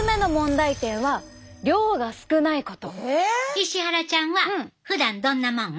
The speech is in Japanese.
石原ちゃんはふだんどんなもん？